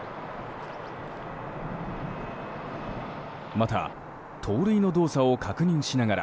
また、盗塁の動作を確認しながら